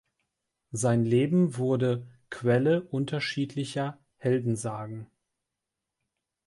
Sein Leben wurde Quelle unterschiedlicher Heldensagen.